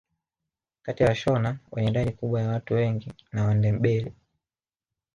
Kati ya washona wenye idadi kubwa ya watu wengi na Wandebele